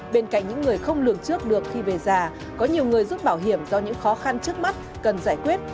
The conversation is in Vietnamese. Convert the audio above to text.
bên cạnh những người không lường trước được khi về già có nhiều người rút bảo hiểm do những khó khăn trước mắt cần giải quyết